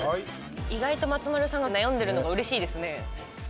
意外と松丸さんが悩んでるのがうれしいですね。